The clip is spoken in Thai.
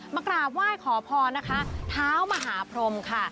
มากราบไหว้ขอพรนะคะเท้ามหาพรมค่ะ